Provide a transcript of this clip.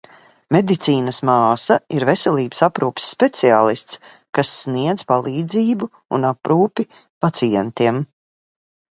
Medicīnas māsa ir veselības aprūpes speciālists, kas sniedz palīdzību un aprūpi pacientiem.